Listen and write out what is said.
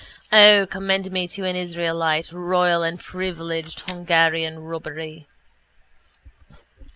O, commend me to an israelite! Royal and privileged Hungarian robbery.